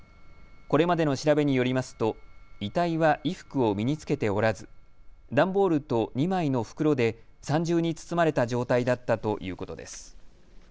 これまでの調べによりますと遺体は衣服を身に着けておらず段ボールと２枚の袋で３重に包まれた状態だったということです。